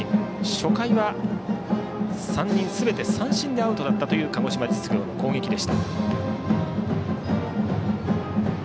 初回は３人すべて三振でアウトだった鹿児島実業の攻撃でした。